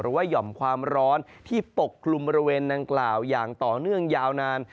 หย่อมความร้อนที่ปกคลุมบริเวณดังกล่าวอย่างต่อเนื่องยาวนาน